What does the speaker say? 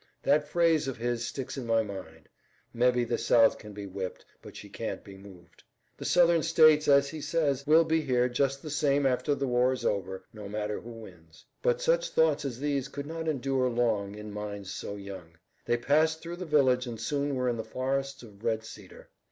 That phrase of his sticks in my mind: 'Mebbe the South can be whipped, but she can't be moved.' The Southern states, as he says, will be here just the same after the war is over, no matter who wins." But such thoughts as these could not endure long in minds so young. They passed through the village and soon were in the forests of red cedar.